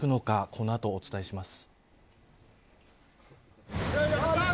この後、お伝えします。